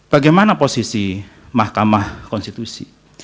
bagaimana posisi mahkamah konstitusi